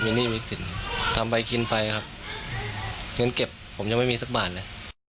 มีหนี้มีสินทำไปกินไปครับเงินเก็บผมยังไม่มีสักบาทเลย